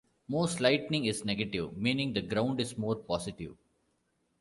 Most lightning is negative, meaning the ground is more positive.